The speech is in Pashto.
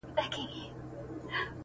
نثر يې بېل رنګ لري ښکاره,